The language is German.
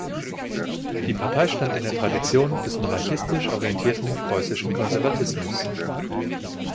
Die Partei stand in der Tradition des monarchistisch orientierten preußischen Konservatismus.